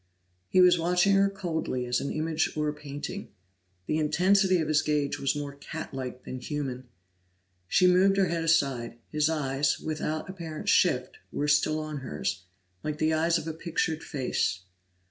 He was watching her coldly as an image or a painting; the intensity of his gaze was more cat like than human. She moved her head aside; his eyes, without apparent shift, were still on hers, like the eyes of a pictured face.